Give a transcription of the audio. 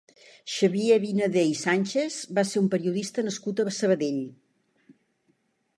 Xavier Vinader i Sánchez va ser un periodista nascut a Sabadell.